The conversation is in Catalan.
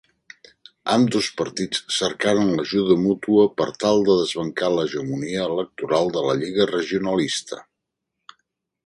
Ambdós partits cercaren l'ajuda mútua per tal de desbancar l'hegemonia electoral de la Lliga Regionalista.